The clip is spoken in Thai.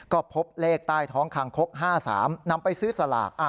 ก็พบเลขใต้ท้องคางคก๕๓นำไปซื้อสลาก